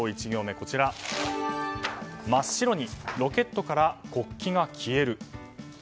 １行目は、真っ白にロケットから国旗が消える。